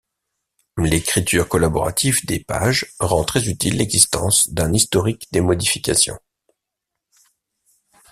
L'écriture collaborative des pages rend très utile l'existence d'un historique des modifications.